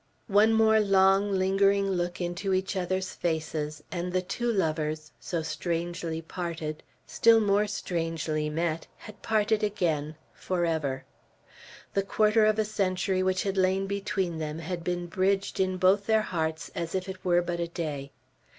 One more long lingering look into each other's faces, and the two lovers, so strangely parted, still more strangely met, had parted again, forever. The quarter of a century which had lain between them had been bridged in both their hearts as if it were but a day.